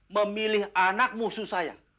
memilih anak musuh saya